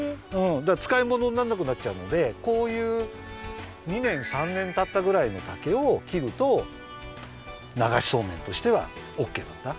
でつかいものになんなくなっちゃうのでこういう２年３年たったぐらいの竹をきるとながしそうめんとしてはオッケーなんだ。